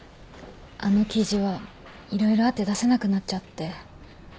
あの記事は色々あって出せなくなっちゃって。